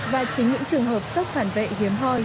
và chính những trường hợp sốc phản vệ hiếm hoi